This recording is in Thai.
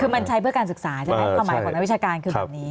คือมันใช้เพื่อการศึกษาใช่ไหมความหมายของนักวิชาการคือแบบนี้